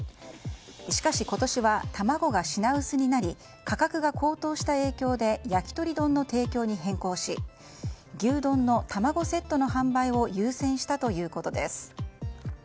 しかし、今年は卵が品薄になり価格が高騰した影響で焼き鳥丼の提供に変更し牛丼の卵セットの販売を優先したということです。